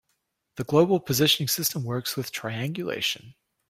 The global positioning system works with triangulation.